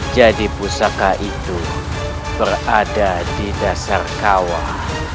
jadi pusaka itu berada di dasar kawah